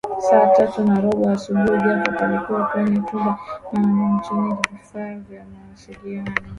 Saa tatu na robo asubuhi Jacob alikuwa kwenye chumba maalum chenye vifaa vya mawasilino